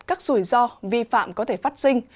các rủi ro vi phạm có thể phát sinh